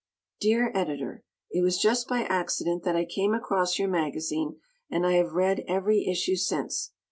_ Dear Editor: It was just by accident that I came across your magazine, and I have read every issue since.